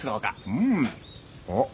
うん。あっ！